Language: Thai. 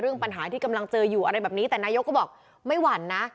ปัญหาที่กำลังเจออยู่อะไรแบบนี้แต่นายกก็บอกไม่หวั่นนะ